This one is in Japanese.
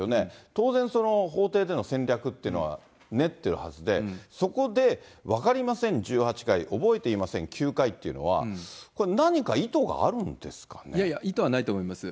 当然その法廷での戦略っていうのは練ってるはずで、そこで分かりません１８回、覚えていません９回っていうのは、これ、いやいや、意図はないと思います。